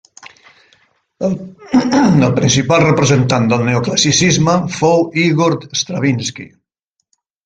El principal representant del Neoclassicisme fou Ígor Stravinski.